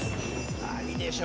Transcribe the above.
ないでしょ